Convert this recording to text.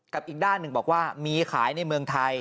อีกด้านหนึ่งบอกว่ามีขายในเมืองไทย